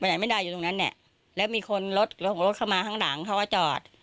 ไหนไม่ได้อยู่ตรงนั้นเนี่ยแล้วมีคนรถของรถเข้ามาข้างหลังเขาก็จอด